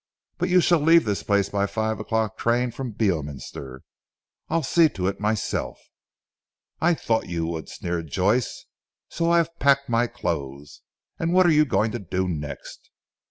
But you shall leave this place by the five o'clock train from Beorminster. I'll see to it myself." "I thought you would," sneered Joyce, "so I have packed my clothes. And what are you going to do next?"